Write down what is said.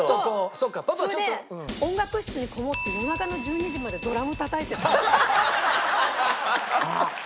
それで音楽室にこもって夜中の１２時までドラムたたいてた。